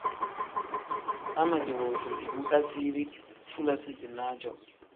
Amedi woovu ibu asiiri fulasi-dinaa-jo.